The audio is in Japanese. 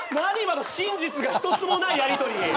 今の真実が一つもないやりとり。